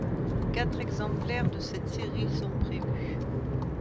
Quatre exemplaires de cette série sont prévus.